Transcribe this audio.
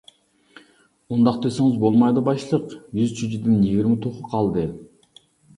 ئۇنداق دېسىڭىز بولمايدۇ باشلىق، يۈز چۈجىدىن يىگىرمە توخۇ قالدى.